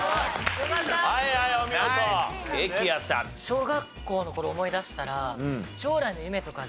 小学校の頃思い出したら。